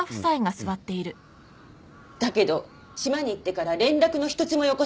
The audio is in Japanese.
だけど島に行ってから連絡の一つもよこさなかった。